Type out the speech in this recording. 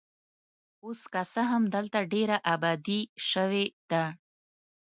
اوس که څه هم دلته ډېره ابادي شوې ده.